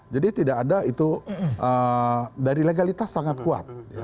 jadi tidak ada itu dari legalitas sangat kuat